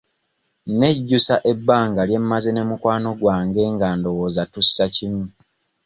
Nejjusa ebbanga lye mmaze ne mukwano gwange nga ndowooza tussa kimu.